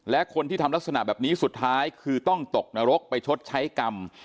และคนที่ทำลักษณะแบบนี้สุดท้ายคือต้องตกนรกไปชดใช้กรรม